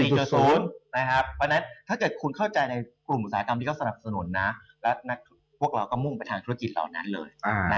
เพราะฉะนั้นถ้าเกิดคุณเข้าใจในกลุ่มอุตสาหกรรมที่เขาสนับสนุนนะและนักพวกเราก็มุ่งไปทางธุรกิจเหล่านั้นเลย